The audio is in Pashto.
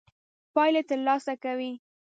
پايلې تر لاسه کوي.